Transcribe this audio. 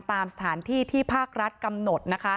ตามสถานที่ที่ภาครัฐกำหนด